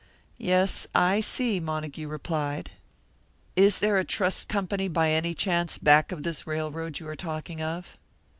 "Yes, I see," Montague replied. "Is there a trust company by any chance back of this railroad you are talking of?"